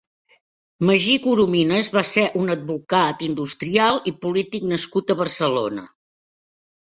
Magí Coromines va ser un advocat, industrial i polític nascut a Barcelona.